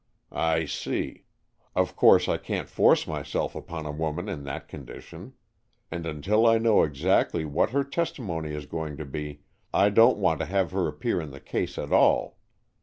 "I see. Of course I can't force myself upon a woman in that condition. And until I know exactly what her testimony is going to be, I don't want to have her appear in the case at all.